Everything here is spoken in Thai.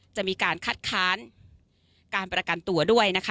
จะมีการคัดค้านการประกันตัวด้วยนะคะ